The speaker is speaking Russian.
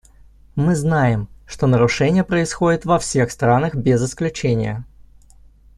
Мы знаем, что нарушения происходят во всех странах без исключения.